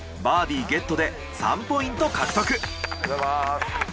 バーディゲットで３ポイント獲得。